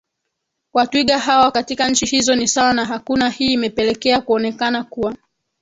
wa twiga hawa katika nchi hizo ni sawa na hakuna Hii imepelekea kuonekana kuwa